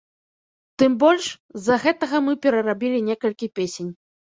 Тым больш, з-за гэтага мы перарабілі некалькі песень.